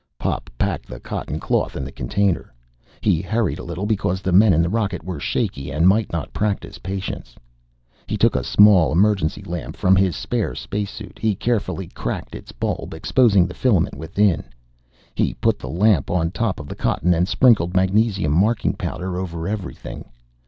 Pop packed the cotton cloth in the container. He hurried a little, because the men in the rocket were shaky and might not practice patience. He took a small emergency lamp from his spare spacesuit. He carefully cracked its bulb, exposing the filament within. He put the lamp on top of the cotton and sprinkled magnesium marking powder over everything.